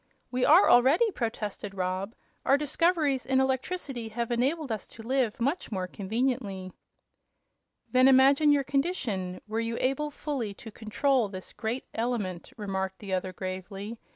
"We are, already," protested Rob; "our discoveries in electricity have enabled us to live much more conveniently." "Then imagine your condition were you able fully to control this great element," replied the other, gravely.